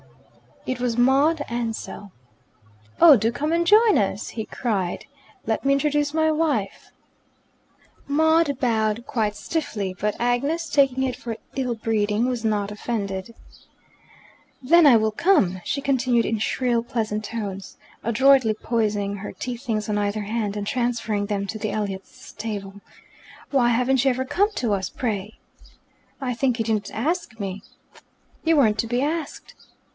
It was Maud Ansell. "Oh, do come and join us!" he cried. "Let me introduce my wife." Maud bowed quite stiffly, but Agnes, taking it for ill breeding, was not offended. "Then I will come!" she continued in shrill, pleasant tones, adroitly poising her tea things on either hand, and transferring them to the Elliots' table. "Why haven't you ever come to us, pray?" "I think you didn't ask me!" "You weren't to be asked."